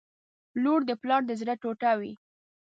• لور د پلار د زړه ټوټه وي.